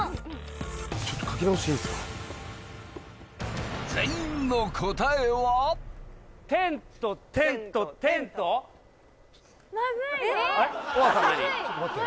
ちょっと書き直していいですか全員の答えはテントテントテントまずいぞ